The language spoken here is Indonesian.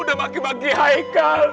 udah bagi bagi haikal